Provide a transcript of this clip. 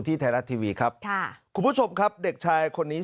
ไทยรัฐทีวีครับค่ะคุณผู้ชมครับเด็กชายคนนี้